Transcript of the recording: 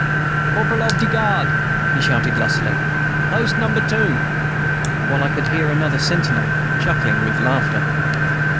"Corporal ob de guard!" he shouted, lustily, "Post Number Two!" while I could hear another sentinel chuckling with laughter.